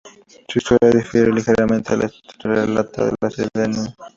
Su historia difiere ligeramente a la relatada en la serie de anime.